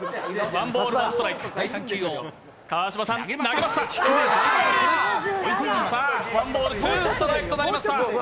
ワンボール・ツーストライクとなりました。